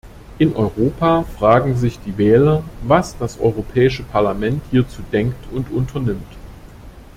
In Europa fragen sich die Wähler, was das Europäische Parlament hierzu denkt und unternimmt.